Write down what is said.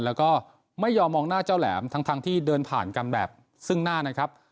แล้วก็ไม่ยอมมองหน้าเจ้าแหลมทั้งที่เดินผ่านกันแบบซึ่งหน้านะครับ